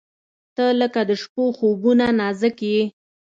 • ته لکه د شپو خوبونه نازک یې.